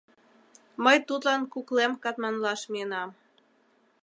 Мый тудлан куклем катманлаш миенам.